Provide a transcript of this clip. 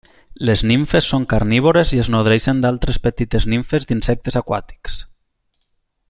Les nimfes són carnívores i es nodreixen d'altres petites nimfes d'insectes aquàtics.